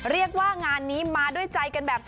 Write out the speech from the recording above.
เรียกว่างานนี้มาด้วยใจกันแบบ